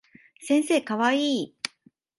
先生かわいい